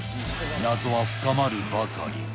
謎は深まるばかり。